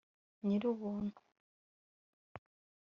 nyir'ubuntu